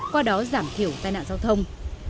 qua đó giảm thiểu tai nạn giao thông